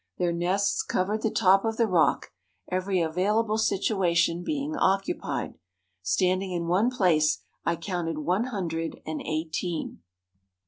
Their nests covered the top of the rock, every available situation being occupied. Standing in one place I counted one hundred and eighteen."